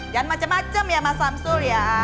dan macem macem ya mas samsul ya